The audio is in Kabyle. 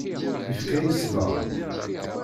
Yekfa-yi ṣṣber.